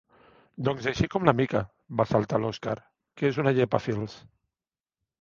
Doncs així com la Mica —va saltar l'Oskar—, que és una llepafils.